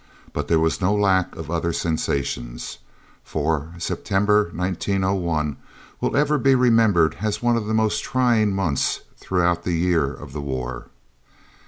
But there was no lack of other sensations, for September 1901 will ever be remembered as one of the most trying months throughout the year of the war.